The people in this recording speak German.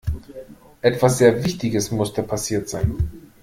Etwas sehr Wichtiges musste passiert sein.